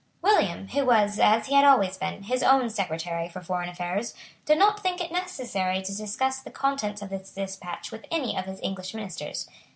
William, who was, as he had always been, his own Secretary for Foreign Affairs, did not think it necessary to discuss the contents of this despatch with any of his English ministers.